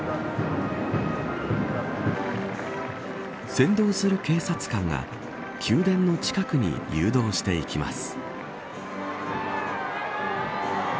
先導する警察官が宮殿の近くに誘導していきます。